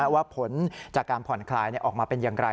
ว่าผลจากการผ่อนคลายออกมาเป็นอย่างไร